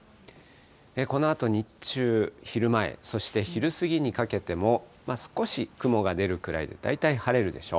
このあと日中、昼前、そして昼過ぎにかけても、少し雲が出るくらいで、大体晴れるでしょう。